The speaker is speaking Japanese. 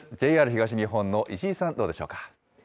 ＪＲ東日本の石井さん、どうでしょうか。